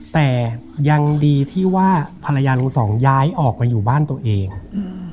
แต่ยังดีที่ว่าภรรยาลุงสองย้ายออกมาอยู่บ้านตัวเองอืม